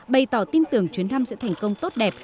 bày tỏ tin tưởng chuyến thăm sẽ thành công tốt đẹp